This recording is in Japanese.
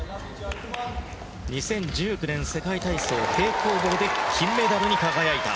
２０１９年世界体操平行棒で金メダルに輝いた。